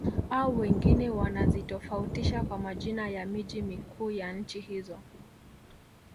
Au wengine wanazitofautisha kwa majina ya miji mikuu ya nchi hizo